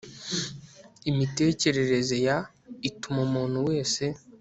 imitekerereze ya ituma umuntu wese